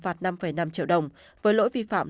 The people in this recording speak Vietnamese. phạt năm năm triệu đồng với lỗi vi phạm